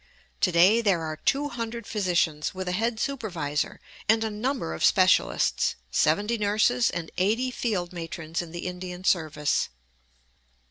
To day there are two hundred physicians, with a head supervisor and a number of specialists, seventy nurses, and eighty field matrons in the Indian service.